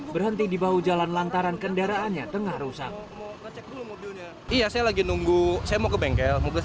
berhenti di bahu jalan lantaran kendaraannya tengah rusak